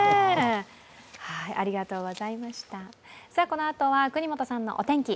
このあとは國本さんのお天気。